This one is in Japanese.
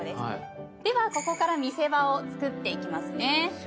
ではここから見せ場をつくっていきますね。